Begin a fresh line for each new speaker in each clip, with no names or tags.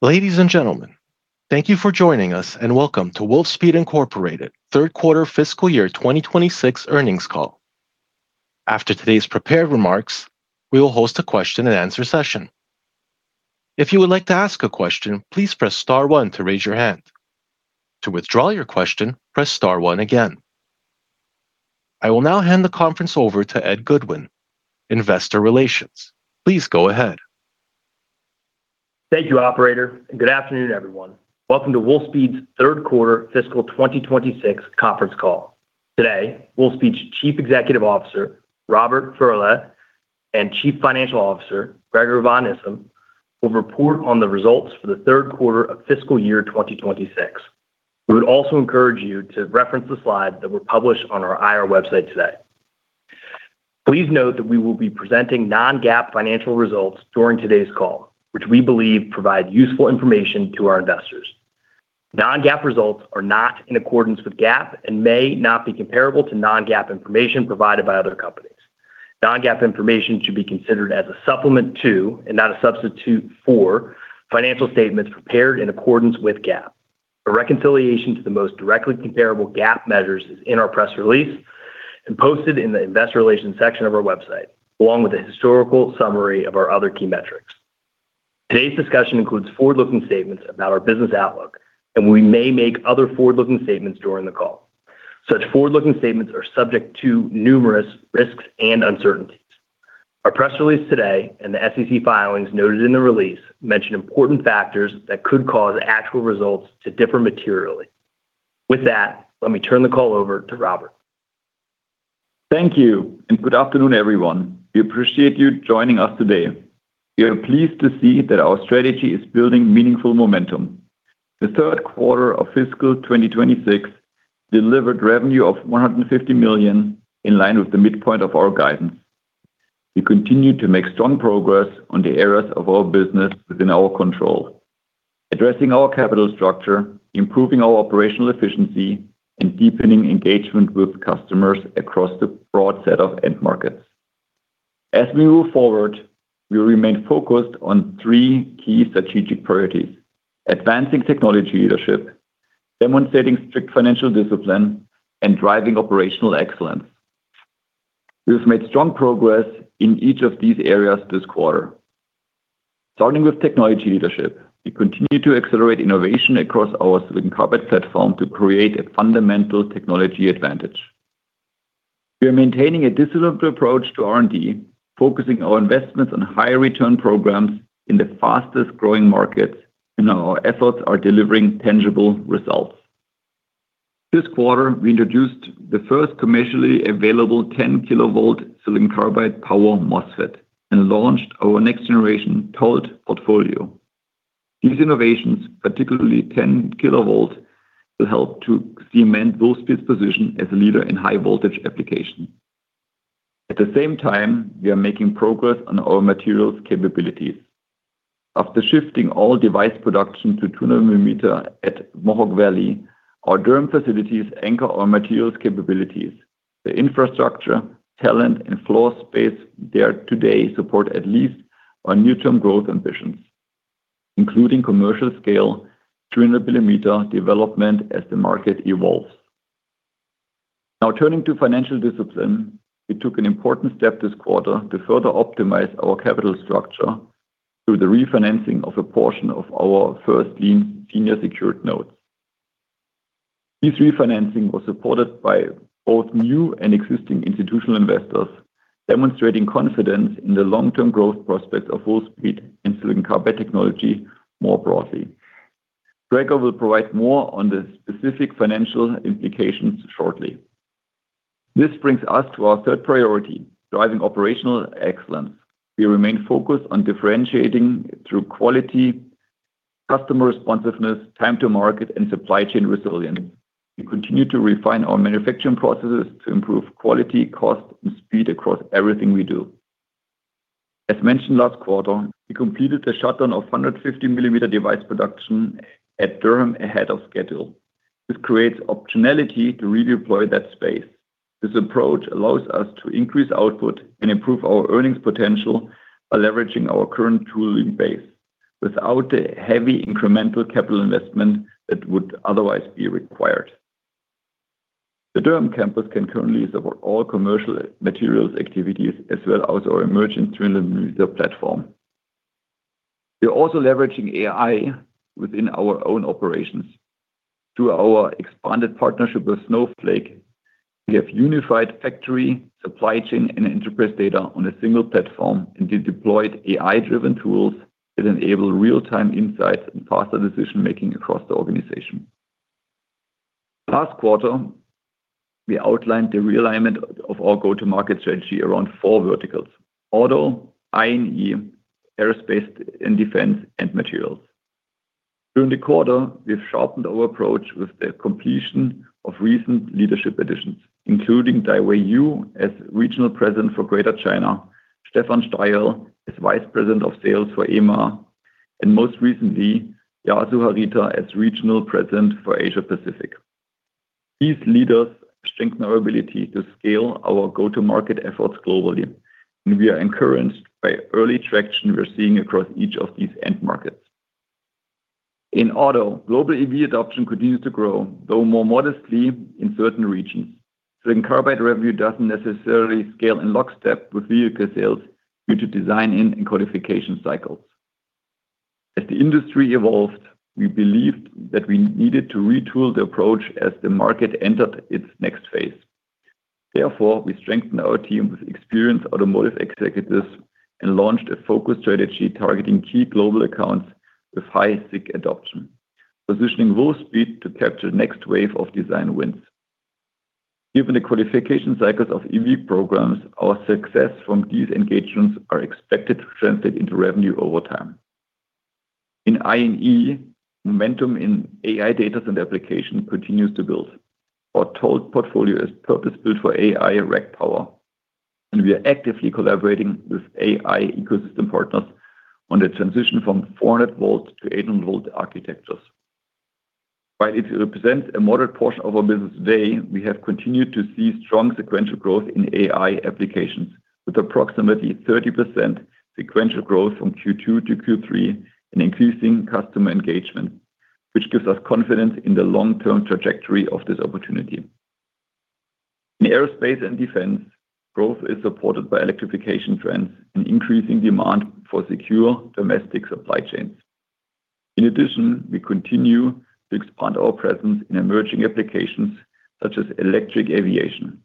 Ladies and gentlemen, thank you for joining us, and welcome to Wolfspeed, Inc. Third Quarter Fiscal Year 2026 Earnings Call. After today's prepared remarks, we will host a question and answer session. If you would like to ask a question, please press star one to raise your hand. To withdraw your question, press star one again. I will now hand the conference over to Tyler Gronbach, Investor Relations. Please go ahead.
Thank you, operator, and good afternoon, everyone. Welcome to Wolfspeed's Third Quarter Fiscal Year 2026 Earnings Call. Today, Wolfspeed's Chief Executive Officer Robert Feurle, and Chief Financial Officer Gregor van Issum, will report on the results for the third quarter of fiscal year 2026. We would also encourage you to reference the slides that were published on our IR website today. Please note that we will be presenting non-GAAP financial results during today's call, which we believe provide useful information to our investors. Non-GAAP results are not in accordance with GAAP and may not be comparable to non-GAAP information provided by other companies. Non-GAAP information should be considered as a supplement to, and not a substitute for, financial statements prepared in accordance with GAAP. A reconciliation to the most directly comparable GAAP measures is in our press release and posted in the Investor Relations section of our website, along with a historical summary of our other key metrics. Today's discussion includes forward-looking statements about our business outlook, and we may make other forward-looking statements during the call. Such forward-looking statements are subject to numerous risks and uncertainties. Our press release today and the SEC filings noted in the release mention important factors that could cause actual results to differ materially. With that, let me turn the call over to Robert.
Thank you, and good afternoon, everyone. We appreciate you joining us today. We are pleased to see that our strategy is building meaningful momentum. The third quarter of fiscal 2026 delivered revenue of $150 million, in line with the midpoint of our guidance. We continue to make strong progress on the areas of our business within our control, addressing our capital structure, improving our operational efficiency, and deepening engagement with customers across the broad set of end markets. As we move forward, we remain focused on three key strategic priorities: advancing technology leadership, demonstrating strict financial discipline, and driving operational excellence. We have made strong progress in each of these areas this quarter. Starting with technology leadership, we continue to accelerate innovation across our silicon carbide platform to create a fundamental technology advantage. We are maintaining a disciplined approach to R&D, focusing our investments on high-return programs in the fastest-growing markets, and our efforts are delivering tangible results. This quarter, we introduced the first commercially available 10-kilovolt silicon carbide power MOSFET and launched our next-generation TOLT portfolio. These innovations, particularly 10 kilovolt, will help to cement Wolfspeed's position as a leader in high-voltage application. At the same time, we are making progress on our materials capabilities. After shifting all device production to 200 millimeter at Mohawk Valley, our Durham facilities anchor our materials capabilities. The infrastructure, talent, and floor space there today support at least our near-term growth ambitions, including commercial-scale 300 millimeter development as the market evolves. Now turning to financial discipline, we took an important step this quarter to further optimize our capital structure through the refinancing of a portion of our first lien senior secured notes. This refinancing was supported by both new and existing institutional investors, demonstrating confidence in the long-term growth prospects of Wolfspeed and silicon carbide technology more broadly. Gregor will provide more on the specific financial implications shortly. This brings us to our third priority, driving operational excellence. We remain focused on differentiating through quality, customer responsiveness, time to market, and supply chain resilience. We continue to refine our manufacturing processes to improve quality, cost, and speed across everything we do. As mentioned last quarter, we completed the shutdown of 150 millimeter device production at Durham ahead of schedule. This creates optionality to redeploy that space. This approach allows us to increase output and improve our earnings potential by leveraging our current tooling base without the heavy incremental capital investment that would otherwise be required. The Durham campus can currently support all commercial materials activities as well as our emerging 300 millimeter platform. We are also leveraging AI within our own operations. Through our expanded partnership with Snowflake, we have unified factory, supply chain, and enterprise data on a single platform and deployed AI-driven tools that enable real-time insights and faster decision-making across the organization. Last quarter, we outlined the realignment of our go-to-market strategy around verticals: auto, I&E, aerospace and defense, and materials. During the quarter, we've sharpened our approach with the completion of recent leadership additions, including Daihui Yu as Regional President for Greater China, Stefan Steyerl as Vice President of Sales for EMEA, and most recently, Yasuhisa Harita as Regional President for Asia Pacific. These leaders strengthen our ability to scale our go-to-market efforts globally, and we are encouraged by early traction we're seeing across each of these end markets. In auto, global EV adoption continues to grow, though more modestly in certain regions. silicon carbide revenue doesn't necessarily scale in lockstep with vehicle sales due to design and qualification cycles. As the industry evolved, we believed that we needed to retool the approach as the market entered its next phase. Therefore, we strengthened our team with experienced automotive executives and launched a focused strategy targeting key global accounts with high SiC adoption, positioning Wolfspeed to capture next wave of design wins. Given the qualification cycles of EV programs, our success from these engagements are expected to translate into revenue over time. In I&E, momentum in AI data center application continues to build. Our TOLT portfolio is purpose-built for AI rack power, and we are actively collaborating with AI ecosystem partners on the transition from 400 volts to 800 volt architectures. While it represents a moderate portion of our business today, we have continued to see strong sequential growth in AI applications with approximately 30% sequential growth from Q2 to Q3 and increasing customer engagement, which gives us confidence in the long-term trajectory of this opportunity. In aerospace and defense, growth is supported by electrification trends and increasing demand for secure domestic supply chains. In addition, we continue to expand our presence in emerging applications such as electric aviation.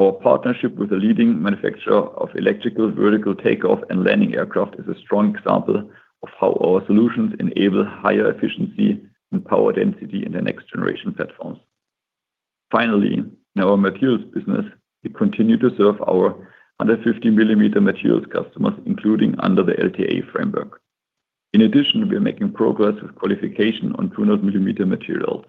Our partnership with a leading manufacturer of electrical vertical takeoff and landing aircraft is a strong example of how our solutions enable higher efficiency and power density in the next generation platforms. Finally, in our materials business, we continue to serve our 150 millimeter materials customers, including under the LTA framework. In addition, we are making progress with qualification on 200 millimeter materials.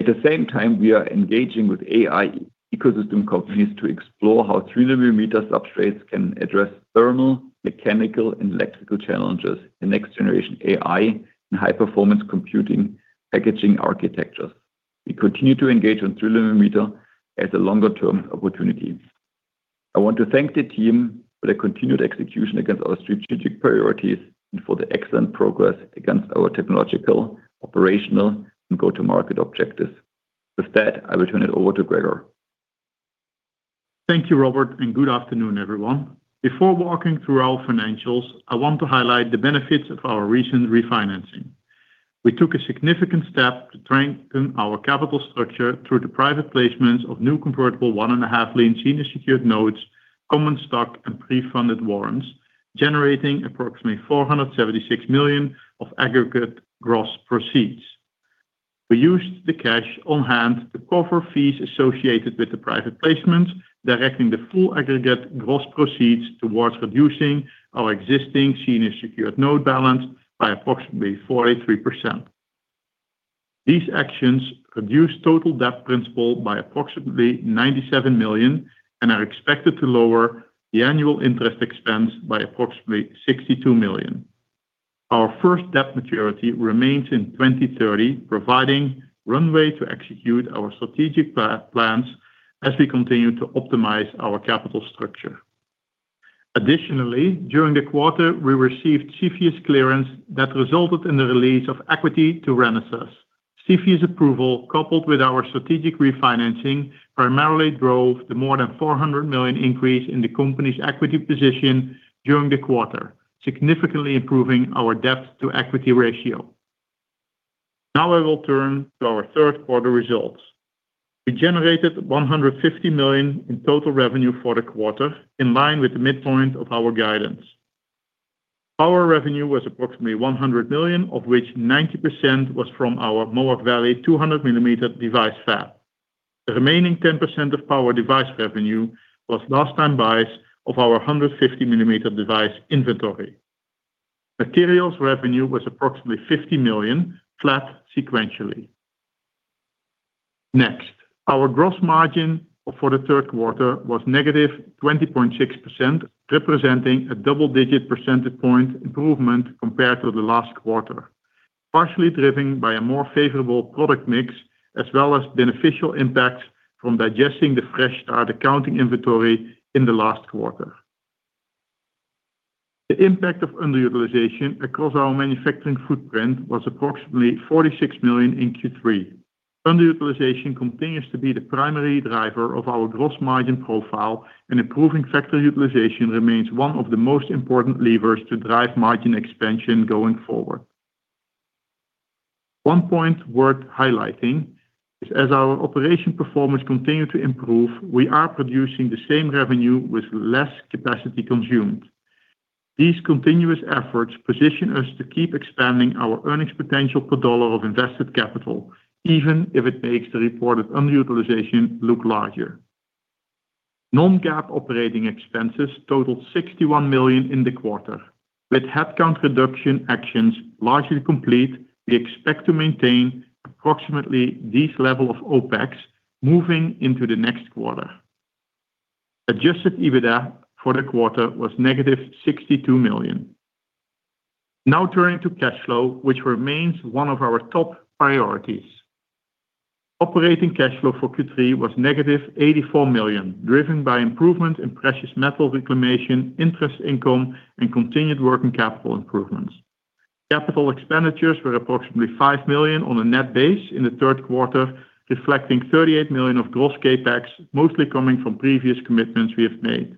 At the same time, we are engaging with AI ecosystem companies to explore how 300 millimeter substrates can address thermal, mechanical, and electrical challenges in next generation AI and high-performance computing packaging architectures. We continue to engage on 300 millimeter as a longer term opportunity. I want to thank the team for the continued execution against our strategic priorities and for the excellent progress against our technological, operational, and go-to-market objectives. With that, I will turn it over to Gregor.
Thank you, Robert, and good afternoon, everyone. Before walking through our financials, I want to highlight the benefits of our recent refinancing. We took a significant step to strengthen our capital structure through the private placements of new convertible one and a half lien senior secured notes, common stock, and pre-funded warrants, generating approximately $476 million of aggregate gross proceeds. We used the cash on hand to cover fees associated with the private placements, directing the full aggregate gross proceeds towards reducing our existing senior secured note balance by approximately 43%. These actions reduce total debt principal by approximately $97 million and are expected to lower the annual interest expense by approximately $62 million. Our first debt maturity remains in 2030, providing runway to execute our strategic plans as we continue to optimize our capital structure. Additionally, during the quarter, we received CFIUS clearance that resulted in the release of equity to Renesas. CFIUS approval, coupled with our strategic refinancing, primarily drove the more than $400 million increase in the company's equity position during the quarter, significantly improving our debt to equity ratio. I will turn to our third quarter results. We generated $150 million in total revenue for the quarter, in line with the midpoint of our guidance. Power revenue was approximately $100 million, of which 90% was from our Mohawk Valley 200 millimeter device fab. The remaining 10% of power device revenue was last-time buys of our 150 millimeter device inventory. Materials revenue was approximately $50 million, flat sequentially. Next, our gross margin for the third quarter was negative 20.6%, representing a double-digit percentage point improvement compared to the last quarter, partially driven by a more favorable product mix as well as beneficial impacts from digesting the fresh start accounting inventory in the last quarter. The impact of underutilization across our manufacturing footprint was approximately $46 million in Q3. Underutilization continues to be the primary driver of our gross margin profile, and improving factory utilization remains one of the most important levers to drive margin expansion going forward. One point worth highlighting is as our operation performance continue to improve, we are producing the same revenue with less capacity consumed. These continuous efforts position us to keep expanding our earnings potential per dollar of invested capital, even if it makes the reported underutilization look larger. non-GAAP operating expenses totaled $61 million in the quarter. With headcount reduction actions largely complete, we expect to maintain approximately this level of OPEX moving into the next quarter. Adjusted EBITDA for the quarter was -$62 million. Turning to cash flow, which remains one of our top priorities. Operating cash flow for Q3 was -$84 million, driven by improvement in precious metal reclamation, interest income and continued working capital improvements. Capital expenditures were approximately $5 million on a net base in the third quarter, reflecting $38 million of gross CapEx, mostly coming from previous commitments we have made.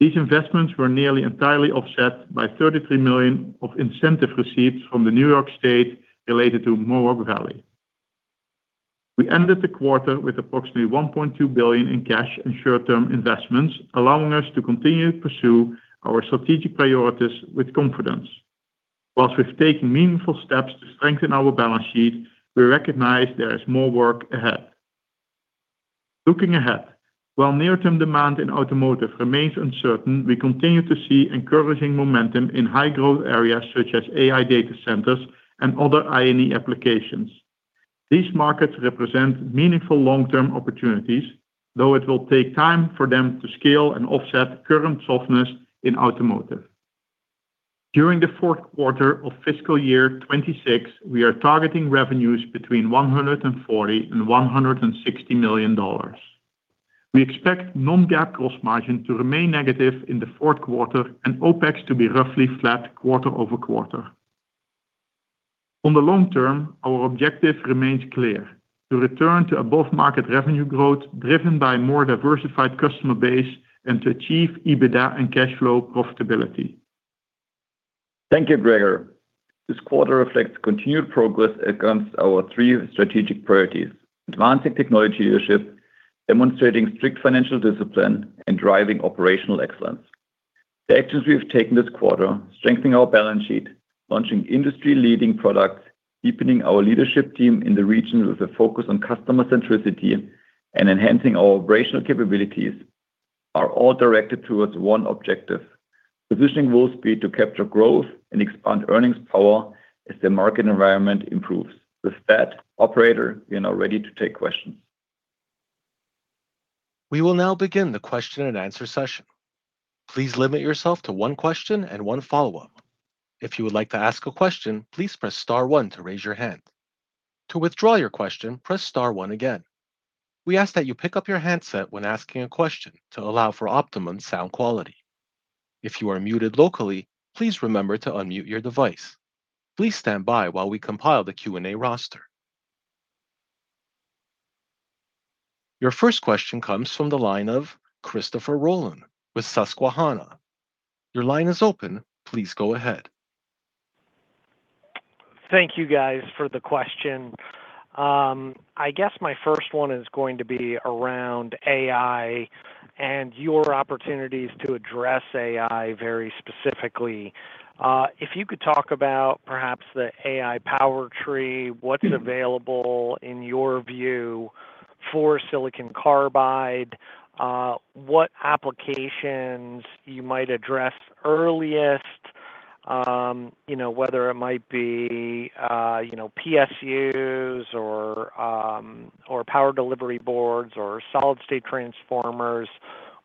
These investments were nearly entirely offset by $33 million of incentive receipts from the New York State related to Mohawk Valley. We ended the quarter with approximately $1.2 billion in cash and short-term investments, allowing us to continue to pursue our strategic priorities with confidence. Whilst we've taken meaningful steps to strengthen our balance sheet, we recognize there is more work ahead. Looking ahead, while near-term demand in automotive remains uncertain, we continue to see encouraging momentum in high-growth areas such as AI data centers and other I&E applications. These markets represent meaningful long-term opportunities, though it will take time for them to scale and offset current softness in automotive. During the fourth quarter of fiscal year 2026, we are targeting revenues between $140 million and $160 million. We expect non-GAAP gross margin to remain negative in the fourth quarter and OPEX to be roughly flat quarter-over-quarter. On the long term, our objective remains clear: to return to above-market revenue growth driven by more diversified customer base and to achieve EBITDA and cash flow profitability.
Thank you, Gregor. This quarter reflects continued progress against our three strategic priorities: advancing technology leadership, demonstrating strict financial discipline, and driving operational excellence. The actions we have taken this quarter, strengthening our balance sheet, launching industry-leading products, deepening our leadership team in the region with a focus on customer centricity, and enhancing our operational capabilities, are all directed towards one objective: positioning Wolfspeed to capture growth and expand earnings power as the market environment improves. With that, operator, we are now ready to take questions.
We will now begin the question and answer session. Please limit yourself to one question and one follow-up. If you would like to ask a question, please press star one to raise your hand. To withdraw your question, press star one again. We ask that you pick up your handset when asking a question to allow for optimum sound quality. If you are muted locally, please remember to unmute your device. Please stand by while we compile the Q&A roster. Your first question comes from the line of Christopher Rolland with Susquehanna. Your line is open. Please go ahead.
Thank you guys for the question. I guess my first one is going to be around AI and your opportunities to address AI very specifically. If you could talk about perhaps the AI power tree, what's available in your view for silicon carbide? What applications you might address earliest, you know, whether it might be, you know, PSUs or power delivery boards, or solid-state transformers,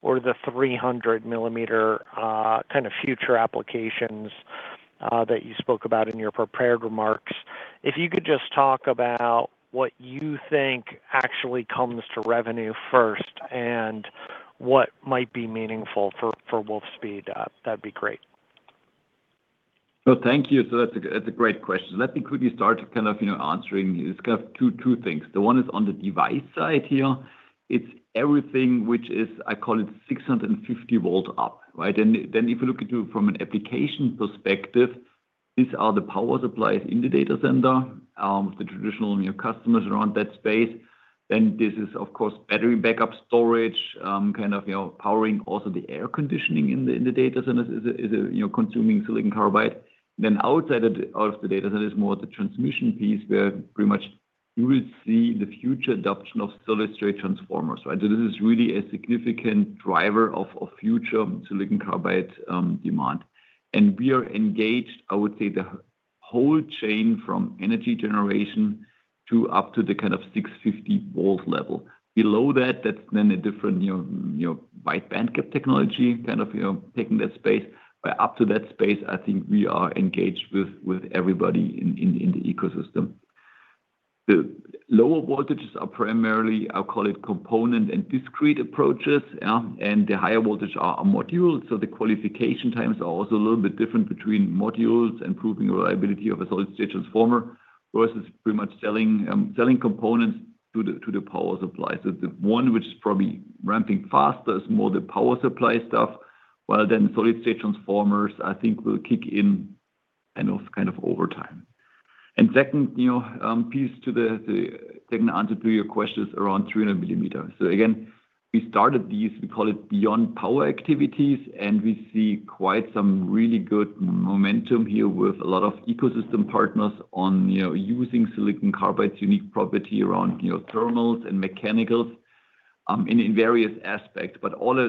or the 300 millimeter kind of future applications that you spoke about in your prepared remarks. If you could just talk about what you think actually comes to revenue first and what might be meaningful for Wolfspeed, that'd be great.
Thank you. That's a great question. Let me quickly start, you know, answering. It's two things. The one is on the device side here. It's everything which is, I call it 650 volt up, right? If you look into it from an application perspective, these are the power supplies in the data center, the traditional, you know, customers around that space. This is, of course, battery backup storage, you know, powering also the air conditioning in the data centers is, you know, consuming silicon carbide. Outside of the data center is more the transmission piece, where pretty much you will see the future adoption of solid-state transformers, right? This is really a significant driver of future silicon carbide demand. We are engaged, I would say, the whole chain from energy generation to up to the kind of 650 volt level. Below that's a different, you know, wide bandgap technology taking that space. Up to that space, I think we are engaged with everybody in the ecosystem. The lower voltages are primarily, I'll call it, component and discrete approaches, and the higher voltage are modules. The qualification times are also a little bit different between modules and proving reliability of a solid-state transformer versus pretty much selling components to the power supply. The one which is probably ramping faster is more the power supply stuff, while solid-state transformers, I think will kick in over time. Second, you know, piece to the second answer to your question is around 300 millimeters. Again, we started these, we call it beyond power activities, and we see quite some really good momentum here with a lot of ecosystem partners on, you know, using silicon carbide's unique property around, you know, terminals and mechanicals in various aspects. All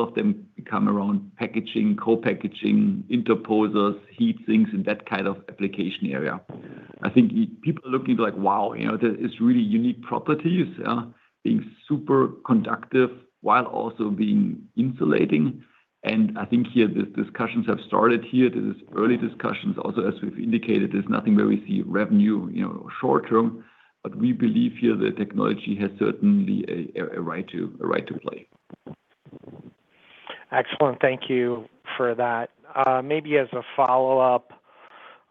of them come around packaging, co-packaging, interposers, heat sinks, and that kind of application area. I think people are looking like, "Wow, you know, there is really unique properties, being super conductive while also being insulating." I think here, the discussions have started here. This is early discussions. Also, as we've indicated, there's nothing where we see revenue, you know, short term. But we believe here that technology has certainly a right to play.
Excellent. Thank you for that. Maybe as a follow-up,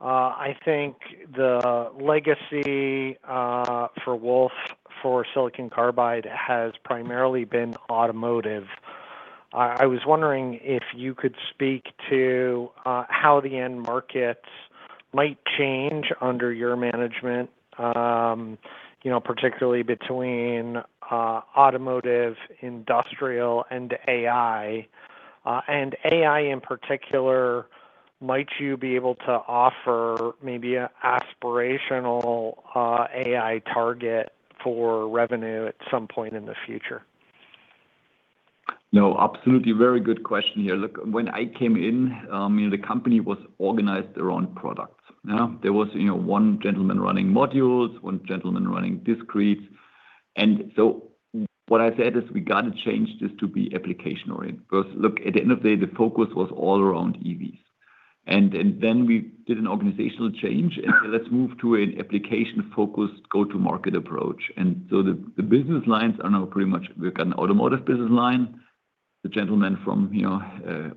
I think the legacy for Wolfspeed, for silicon carbide has primarily been automotive. I was wondering if you could speak to how the end markets might change under your management, you know, particularly between automotive, industrial, and AI. AI in particular, might you be able to offer maybe a aspirational AI target for revenue at some point in the future?
No, absolutely. Very good question here. Look, when I came in, you know, the company was organized around products. Now, there was, you know, one gentleman running modules, one gentleman running discrete. What I said is we gotta change this to be application-oriented. Because look, at the end of the day, the focus was all around EVs. Then we did an organizational change, let's move to an application-focused go-to market approach. The, the business lines are now pretty much we've got an automotive business line. The gentleman from, you know,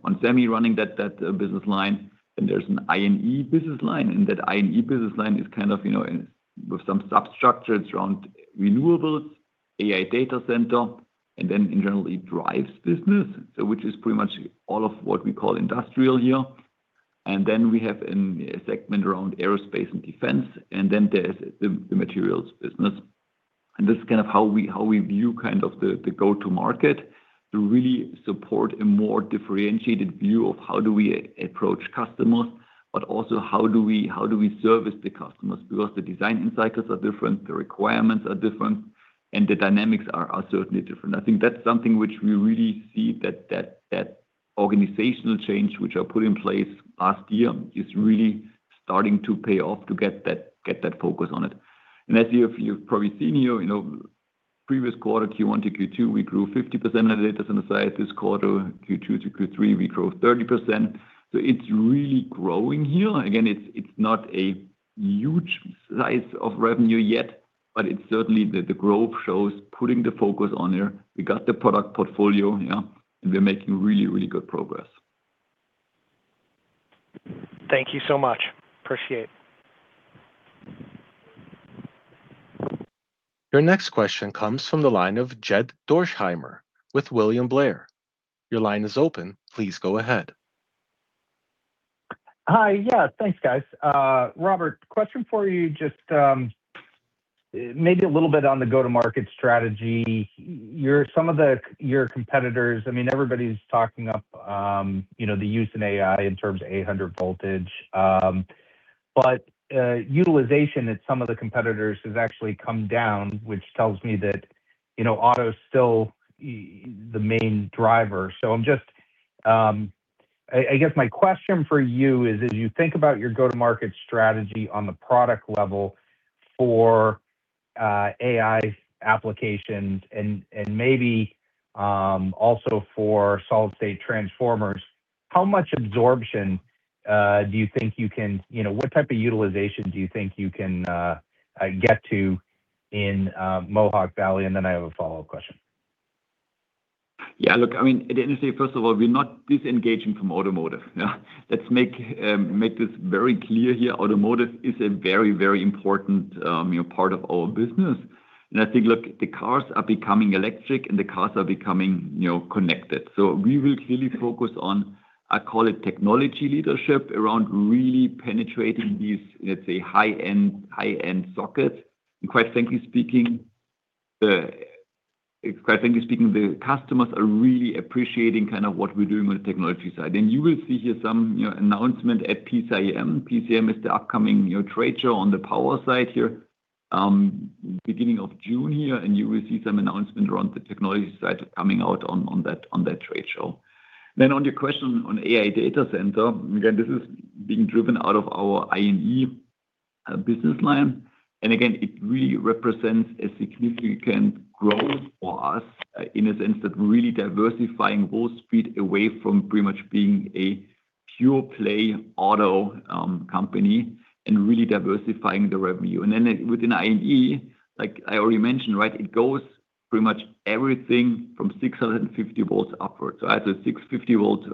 onsemi running that business line. Then there's an I&E business line, that I&E business line is kind of, you know, with some substructure. It's around renewables, AI data center, then internally drives business. Which is pretty much all of what we call industrial here. We have a segment around aerospace and defense, there's the materials business. This is kind of how we, how we view kind of the go-to market to really support a more differentiated view of how do we approach customers, also how do we service the customers? The design end cycles are different, the requirements are different, and the dynamics are certainly different. I think that's something which we really see that organizational change which I put in place last year is really starting to pay off to get that focus on it. As you have, you've probably seen here, you know, previous quarter, Q1 to Q2, we grew 50% in the data center side. This quarter, Q2 to Q3, we grew 30%. It's really growing here. It's not a huge slice of revenue yet, but it's certainly the growth shows putting the focus on there. We got the product portfolio, yeah, and we're making really, really good progress.
Thank you so much. Appreciate.
Your next question comes from the line of Jed Dorsheimer with William Blair. Your line is open. Please go ahead.
Hi. Yeah. Thanks, guys. Robert, question for you, just maybe a little bit on the go-to market strategy. Your competitors, I mean, everybody's talking up, you know, the use in AI in terms of 800 voltage. Utilization at some of the competitors has actually come down, which tells me that, you know, auto's still the main driver. I'm just, I guess my question for you is, as you think about your go-to market strategy on the product level for AI applications and maybe also for solid-state transformers, how much absorption do you think you can, you know, what type of utilization do you think you can get to in Mohawk Valley? I have a follow-up question.
Yeah. Look, I mean, at the end of the day, first of all, we're not disengaging from automotive, yeah. Let's make this very clear here. Automotive is a very, very important, you know, part of our business. I think, look, the cars are becoming electric, and the cars are becoming, you know, connected. We will clearly focus on, I call it technology leadership around really penetrating these, let's say high-end sockets. Quite frankly speaking, the customers are really appreciating kind of what we're doing on the technology side. You will see here some, you know, announcement at PCIM. PCIM is the upcoming, you know, trade show on the power side here, beginning of June here. You will see some announcement around the technology side coming out on that trade show. On your question on AI data center, again, this is being driven out of our I&E business line. Again, it really represents a significant growth for us in a sense that we're really diversifying Wolfspeed away from pretty much being a pure play auto company and really diversifying the revenue. Within I&E, like I already mentioned, right, it goes pretty much everything from 650 volts upwards. As a 650 volt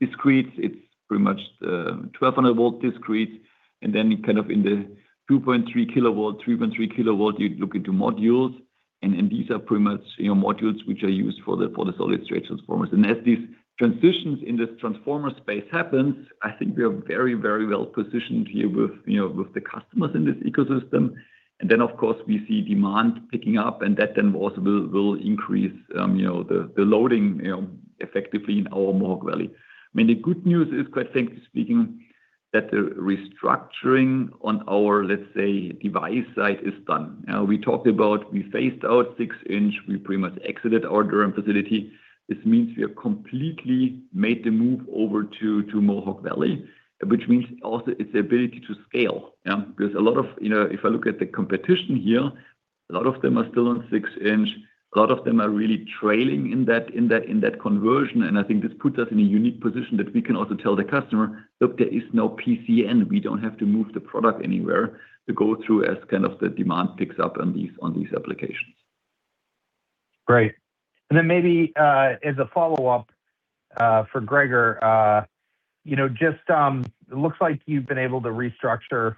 discrete, it's pretty much 1,200 volt discrete. Kind of in the 2.3 kW, 3.3 kW, you look into modules. These are pretty much, you know, modules which are used for the solid-state transformers. As these transitions in this transformer space happens, I think we are very, very well positioned here with, you know, with the customers in this ecosystem. Then, of course, we see demand picking up, and that then also will increase, you know, the loading, you know, effectively in our Mohawk Valley. I mean, the good news is, quite frankly speaking, that the restructuring on our, let's say, device side is done. We talked about we phased out six inch. We pretty much exited our Durham facility. This means we have completely made the move over to Mohawk Valley, which means also it's the ability to scale, yeah. You know, if I look at the competition here. A lot of them are still on six inch. A lot of them are really trailing in that conversion. I think this puts us in a unique position that we can also tell the customer, "Look, there is no PCN. We don't have to move the product anywhere to go through as kind of the demand picks up on these applications.
Great. Maybe as a follow-up for Gregor, you know, just it looks like you've been able to restructure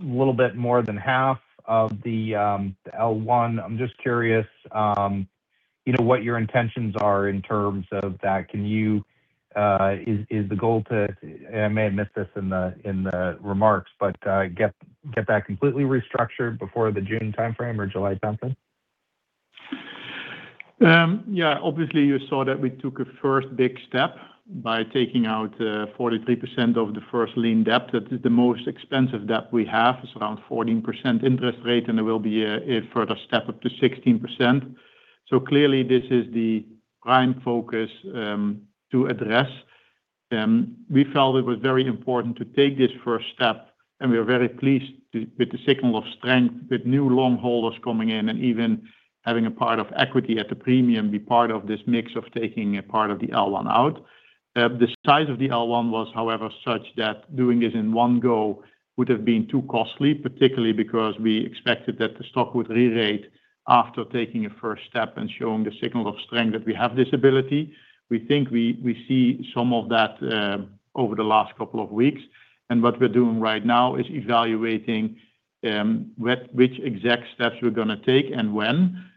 little bit more than half of the L1. I'm just curious, you know, what your intentions are in terms of that. Is the goal to I may have missed this in the remarks, but get that completely restructured before the June timeframe or July timeframe?
Yeah. Obviously, you saw that we took a first big step by taking out 43% of the first lien debt. That is the most expensive debt we have. It's around 14% interest rate, and there will be a further step up to 16%. Clearly this is the prime focus to address. We felt it was very important to take this first step, and we are very pleased with the signal of strength with new loan holders coming in and even having a part of equity at the premium be part of this mix of taking a part of the L1 out. The size of the L1 was, however, such that doing this in one go would have been too costly, particularly because we expected that the stock would rerate after taking a first step and showing the signal of strength that we have this ability. We think we see some of that over the last couple of weeks. What we're doing right now is evaluating which exact steps we're gonna take and when.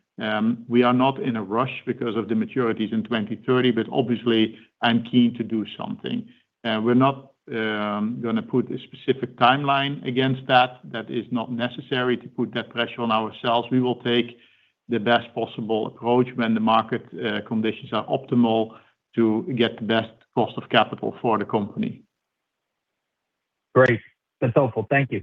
We are not in a rush because of the maturities in 2030, but obviously I'm keen to do something. We're not gonna put a specific timeline against that. That is not necessary to put that pressure on ourselves. We will take the best possible approach when the market conditions are optimal to get the best cost of capital for the company.
Great. That's helpful. Thank you.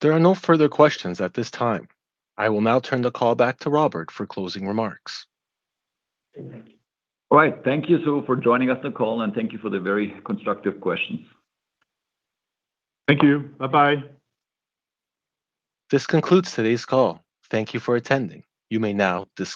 There are no further questions at this time. I will now turn the call back to Robert for closing remarks.
All right. Thank you, Sue, for joining us on the call, and thank you for the very constructive questions.
Thank you. Bye-bye.
This concludes today's call. Thank you for attending. You may now disconnect.